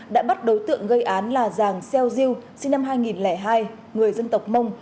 đã bắt đối tượng gây án là giàng xeo diêu sinh năm hai nghìn hai người dân tộc mông